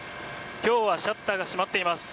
今日はシャッターが閉まっています。